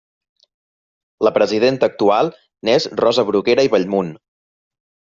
La presidenta actual n'és Rosa Bruguera i Bellmunt.